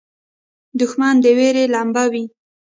دښمن د وېرې لمبه وي